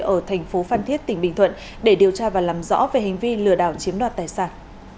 ở thành phố phan thiết tỉnh bình thuận để điều tra và làm rõ về hành vi lừa đảo chiếm đoạt tài sản